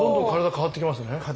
変わってきますね。